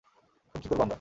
এখন কী করব আমরা?